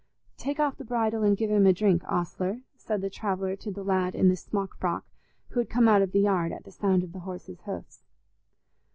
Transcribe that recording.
"Take off the bridle and give him a drink, ostler," said the traveller to the lad in a smock frock, who had come out of the yard at the sound of the horse's hoofs.